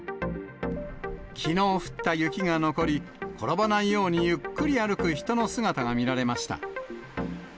きのう降った雪が残り、転ばないようにゆっくり歩く人の姿が見られました。